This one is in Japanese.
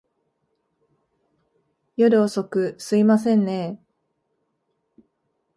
夜遅く、すいませんねぇ。